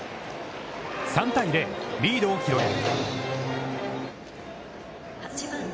３対０、リードを広げる。